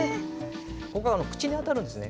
ここは「口」にあたるんですね。